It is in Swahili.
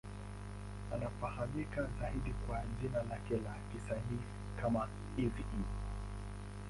Anafahamika zaidi kwa jina lake la kisanii kama Eazy-E.